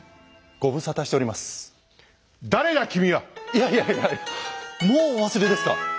いやいやいやいやもうお忘れですか？